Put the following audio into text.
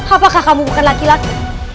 apakah kamu bukan laki laki